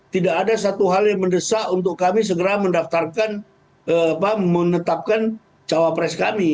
tidak ada satu hal yang mendesak untuk kami segera menetapkan cawapres kami